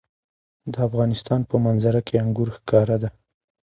د افغانستان په منظره کې انګور ښکاره ده.